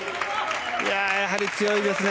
やはり、強いですね